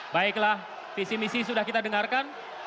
baiklah visi misi sudah kita dengarkan